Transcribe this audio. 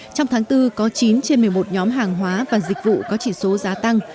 trong tháng bốn có chín trên một mươi một nhóm hàng hóa và dịch vụ có chỉ số giá tăng